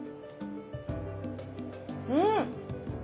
うん！